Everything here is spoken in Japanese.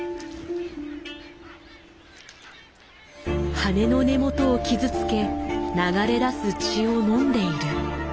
羽の根元を傷つけ流れ出す血を飲んでいる。